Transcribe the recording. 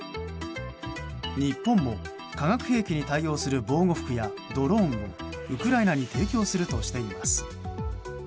日本も、化学兵器に対応する防護服やドローンをウクライナに提供するとしています。